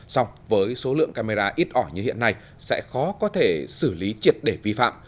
xong với số lượng camera ít ỏi như hiện nay sẽ khó có thể xử lý triệt để vi phạm